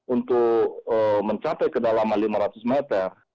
untuk mencapai ke dalam lima ratus meter